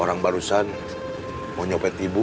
orang barusan mau nyopet ibu